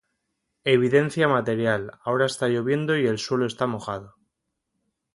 Evidencia material: "Ahora está lloviendo y el suelo está mojado".